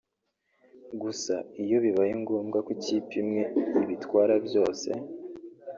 Gusa iyo bibaye ngombwa ko ikipe imwe ibitwara byose